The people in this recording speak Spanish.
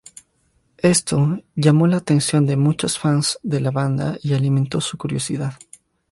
Esto llamó la atención de muchos fans de la banda y alimentó su curiosidad.